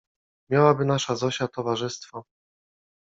Miałaby nasza Zosia towarzystwo.